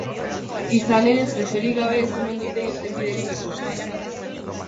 Izan ere, presiorik gabe ez omen dute irtenbiderik ikusten.